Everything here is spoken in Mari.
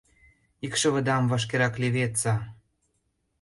— Икшывыдам вашкерак леведса.